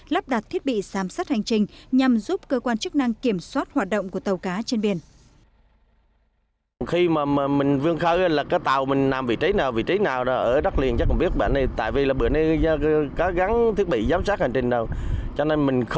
lắp đặt thiết bị giám sát hành trình nhằm giúp cơ quan chức năng kiểm soát hoạt động của tàu cá trên biển